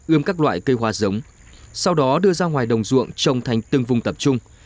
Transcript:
ươm các loại cây hoa giống sau đó đưa ra ngoài đồng ruộng trồng thành từng vùng tập trung